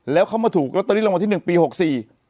แล้วเขามาถูกแล้วตอนนี้รางวัลที่๑ปี๖๔